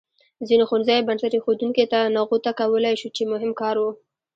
ځینو ښوونځیو بنسټ ایښودنې ته نغوته کولای شو چې مهم کار و.